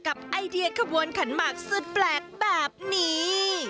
ไอเดียขบวนขันหมากสุดแปลกแบบนี้